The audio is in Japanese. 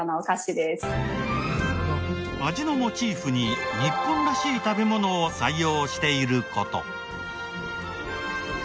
味のモチーフに日本らしい食べ物を採用している事。